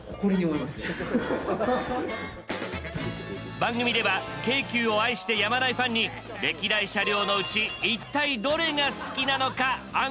番組では京急を愛してやまないファンに歴代車両のうち一体どれが好きなのかアンケートを実施。